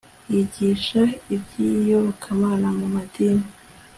yigisha ibyiyobokamana mu madini